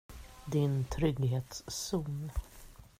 Din trygghetszon.